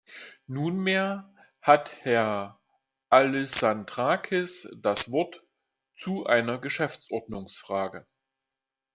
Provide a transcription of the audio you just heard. Nunmehr hat Herr Alyssandrakis das Wort zu einer Geschäftsordnungsfrage.